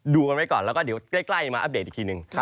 ดูกันไว้ก่อนแล้วก็เดี๋ยวใกล้มาอัปเดตอีกทีนึง